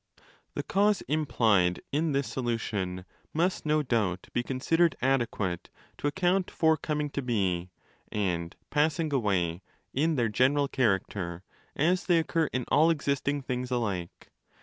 The cause implied in this solution! must no doubt be considered adequate to account for coming to be and passing away in their general character as they occur in all existing things alike.